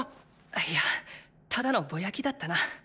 いやただのぼやきだったな。